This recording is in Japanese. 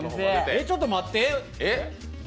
えっ、ちょっと待って！